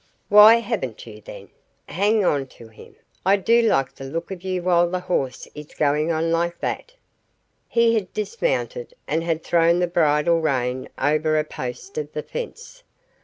"Why haven't you, then? Hang on to him. I do like the look of you while the horse is going on like that." He had dismounted, and had thrown the bridle rein over a post of the fence.